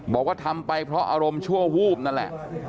บอกว่าทำไปเพราะอารมณ์ชั่ววูบนั่นแหละ